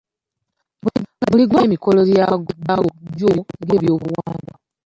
Buli ggwanga lirina emikolo gyalyo egy'obuwangwa.